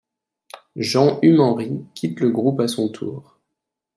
Jean Humenry quitte le groupe à son tour.